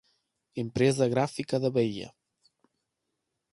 Empresa Gráfica da Bahia